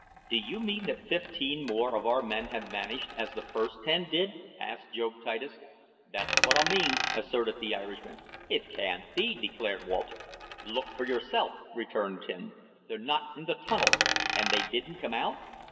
"Do you mean that fifteen more of our men have vanished as the first ten did?" asked Job Titus. "That's what I mean," asserted the Irishman. "It can't be!" declared Walter. "Look for yersilf!" returned Tim. "They're not in th' tunnel!" "And they didn't come out?"